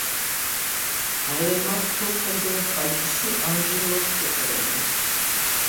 ალე მაგ ქო̄ხო̄მბვე ხაჯის ი ამჟი̄ნ ლოქ ხეყრენი.